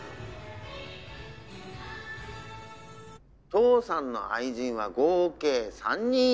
「父さんの愛人は合計３人いました」